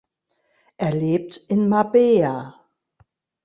Er lebt in Marbella.